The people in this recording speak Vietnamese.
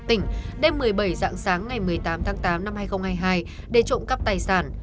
tỉnh đêm một mươi bảy dạng sáng ngày một mươi tám tháng tám năm hai nghìn hai mươi hai để trộm cắp tài sản